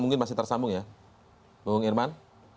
mungkin masih tersambung ya bung irman